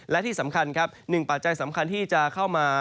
และที่สำคัญครับหนึ่งปัจจัยสำคัญที่จะเข้ามา